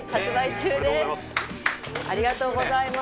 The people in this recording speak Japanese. おめでとうございます。